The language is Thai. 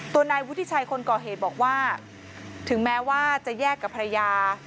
นายวุฒิชัยคนก่อเหตุบอกว่าถึงแม้ว่าจะแยกกับภรรยา